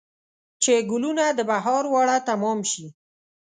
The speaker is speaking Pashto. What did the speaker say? چې ګلونه د بهار واړه تمام شي